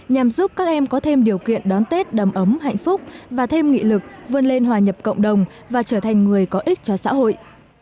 nhằm giúp các em có thêm điều kiện đón tết đầm ấm hạnh phúc và thêm nghị lực vươn lên hòa nhập cộng đồng và trở thành người có ích cho xã hội